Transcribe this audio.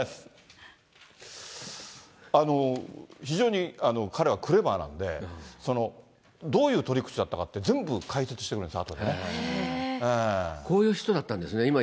非常に彼はクレバーなんで、どういう取り口だったかって、全部、解説してくれるこういう人だったんですね。